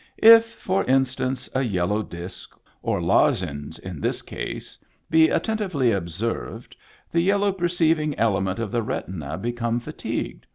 If, for instance, a yellow disk (or lozenge in this case) be attentively observed, the yellow perceiv ing elements of the retina become fatigued.